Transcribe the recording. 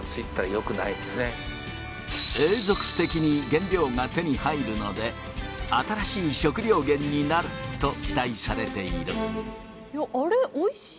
永続的に原料が手に入るので新しい食料源になると期待されている。